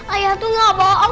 ayah tuh gak bohong